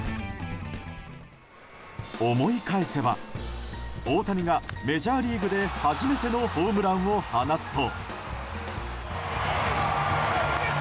思い返せば大谷がメジャーリーグで初めてのホームランを放つと。